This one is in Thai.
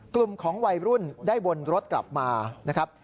กลุ่มของวัยรุ่นได้วนรถกลับมานะครับ